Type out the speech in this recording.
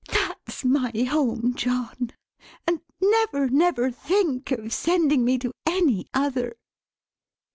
That's my home, John; and never, never think of sending me to any other!"